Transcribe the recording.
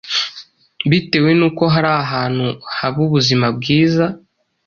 bitewe n’uko hari ahantu haba ubuzima bwiza,